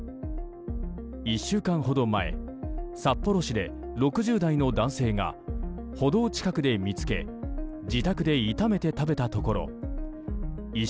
１週間ほど前、札幌市で６０代の男性が歩道近くで見つけ自宅で炒めて食べたところ意識